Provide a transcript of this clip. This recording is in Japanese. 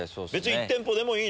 １店舗でもいい？